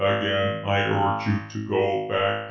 Again I urge you to go back down."